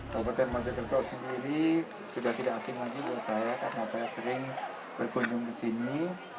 kabupaten majapahit jendral sendiri sudah tidak asing lagi buat saya karena saya sering berkunjung kesini